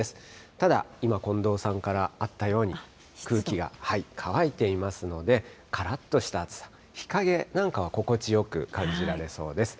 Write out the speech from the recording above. ただ、今、近藤さんからあったように、空気が乾いていますので、からっとした暑さ、日陰なんかは心地よく感じられそうです。